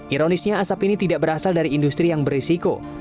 ironisnya asap ini tidak berasal dari industri yang berisiko